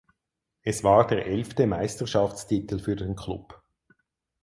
Es war der elfte Meisterschaftstitel für den Klub.